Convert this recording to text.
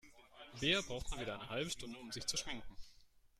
Bea braucht mal wieder eine halbe Stunde, um sich zu schminken.